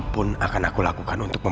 tante aku ingin tahu